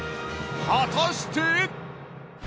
果たして！？